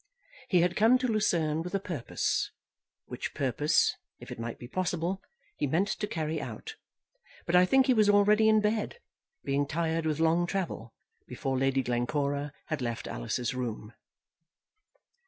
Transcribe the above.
He had come to Lucerne with a purpose, which purpose, if it might be possible, he meant to carry out; but I think he was already in bed, being tired with long travel, before Lady Glencora had left Alice's room.